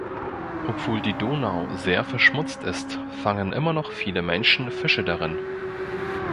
Obwohl die Donau sehr verschmutzt ist, fangen immer noch viele Menschen Fische darin.